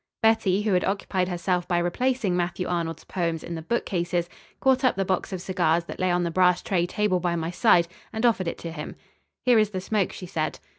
Betty, who had occupied herself by replacing Matthew Arnold's poems in the bookcase, caught up the box of cigars that lay on the brass tray table by my side, and offered it to him. "Here is the smoke," she said.